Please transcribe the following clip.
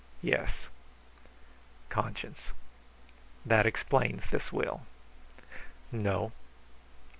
"Yes." "Conscience. That explains this will." "No.